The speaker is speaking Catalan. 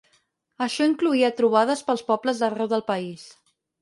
Això incloïa trobades pels pobles d'arreu del país.